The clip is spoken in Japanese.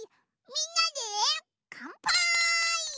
みんなでかんぱい！